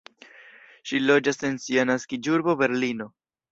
Ŝi loĝas en sia naskiĝurbo Berlino.